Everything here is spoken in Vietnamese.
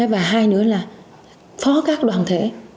và hai nữa là phó các đoàn thể